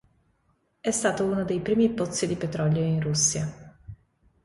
È stato uno dei primi pozzi di petrolio in Russia.